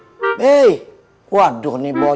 waduh nih bocah tidurnya ngorok